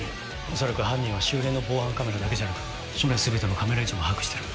恐らく犯人は周辺の防犯カメラだけじゃなく署内全てのカメラ位置も把握してる。